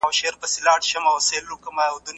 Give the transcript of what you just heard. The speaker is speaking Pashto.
که بهر پاتې شې نو خامخا به ناروغه شې.